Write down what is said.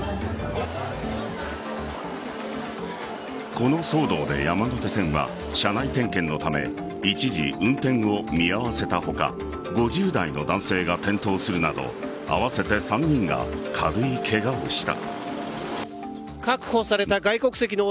この騒動で山手線は車内点検のため一時運転を見合わせた他５０代の男性が転倒するなど合わせて３人が軽いケガをした。